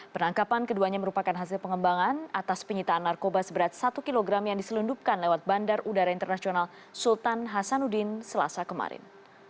penangkapan keduanya merupakan hasil pengembangan atas penyitaan narkoba seberat satu kg yang diselundupkan lewat bandar udara internasional sultan hasanuddin selasa kemarin